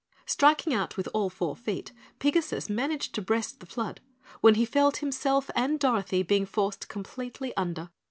Striking out with all four feet, Pigasus managed to breast the flood, when he felt himself and Dorothy being forced completely under.